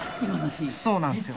そうなんですよ